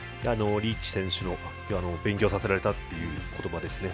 リーチ選手の勉強させられたという言葉です。